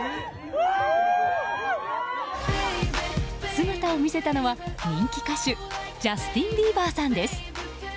姿を見せたのは、人気歌手ジャスティン・ビーバーさんです。